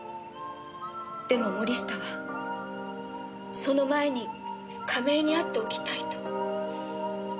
でも森下はその前に亀井に会っておきたいと。